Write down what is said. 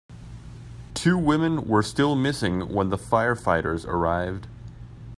Two women were still missing when the firefighters arrived.